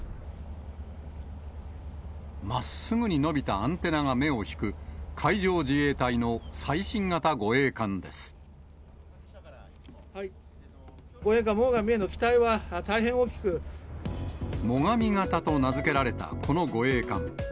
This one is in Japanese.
まっすぐに伸びたアンテナが目を引く、護衛艦もがみへの期待は大変もがみ型と名付けられたこの護衛艦。